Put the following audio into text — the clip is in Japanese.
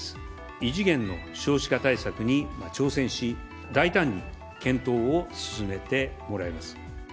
異次元の少子化対策に挑戦し、大胆に検討を進めてもらいます。